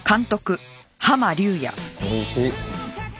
おいしい。